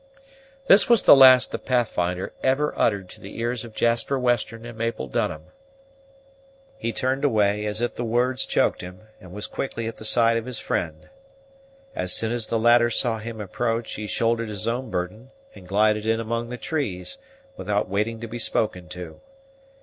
This was the last the Pathfinder ever uttered to the ears of Jasper Western and Mabel Dunham. He turned away, as if the words choked him, and was quickly at the side of his friend. As soon as the latter saw him approach, he shouldered his own burthen, and glided in among the trees, without waiting to be spoken to.